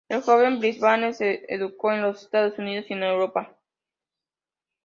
El joven Brisbane se educó en los Estados Unidos y en Europa.